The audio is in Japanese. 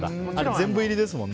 全部入りですもんね。